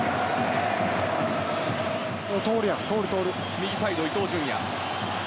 右サイド、伊東純也。